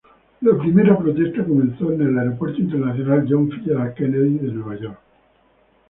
La primera protesta comenzó en el Aeropuerto Internacional John F. Kennedy de Nueva York.